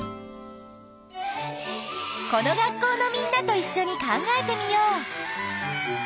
この学校のみんなといっしょに考えてみよう！